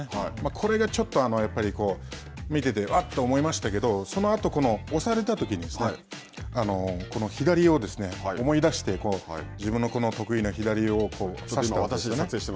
これがちょっとやっぱり見てて、あっと思いましたけど、そのあと、押されたときにこの左を思い出して、自分の得意な左を差して。